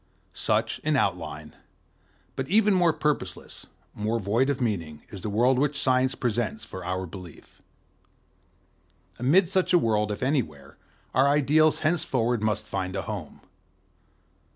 '"Such, in outline, but even more purposeless, more void of meaning, is the world which Science presents for our belief. Amid such a world, if anywhere, our ideals henceforward must find a home.